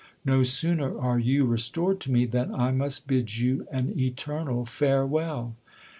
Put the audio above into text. No sooner are you restored to me, than I must bid you an eternal farewell.